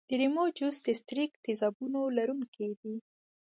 د لیمو جوس د ستریک تیزابونو لرونکی دی.